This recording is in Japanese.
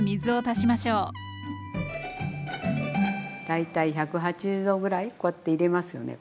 大体１８０℃ぐらいこうやって入れますよね